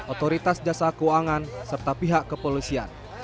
otoritas jasa keuangan serta pihak kepolisian